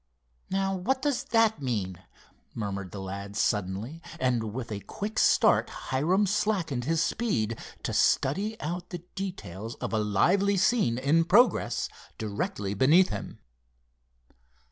Now what does that mean?" murmured the lad suddenly, and, with a quick start, Hiram slackened his speed, to study out the details of a lively scene in progress directly beneath him.